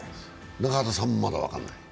中畑さんも、まだ分からない？